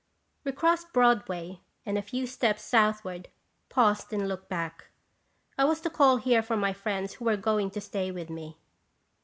We crossed Broadway, and a few steps southward paused and looked back. I was to call here for my friends who were going to stay with me.